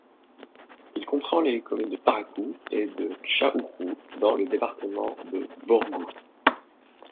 Il comprend les communes de Parakou et de Tchaourou dans le département de Borgou.